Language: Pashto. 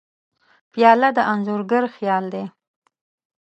پیاله د انځورګر خیال دی.